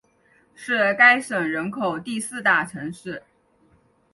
是该省人口第四大城市。